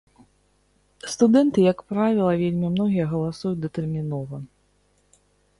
Студэнты, як правіла, вельмі многія галасуюць датэрмінова.